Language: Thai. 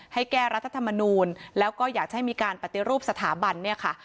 ให้แก้รัฐธรรมนูลแล้วก็อยากจะให้มีการปฏิรูปสถาบันเนี่ยค่ะ